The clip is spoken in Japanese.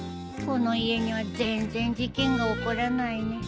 この家には全然事件が起こらないね。